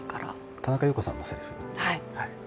田中裕子さんのせりふ。